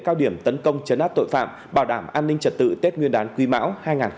cao điểm tấn công chấn áp tội phạm bảo đảm an ninh trật tự tết nguyên đán quý mão hai nghìn hai mươi bốn